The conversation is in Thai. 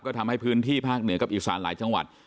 ก็ทำให้พื้นที่ภาคเหนือกับอีสานหลายจังหวัด